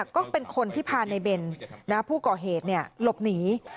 ก็เป็นคนที่พาในเบนผู้ก่อเหตุหลบหนี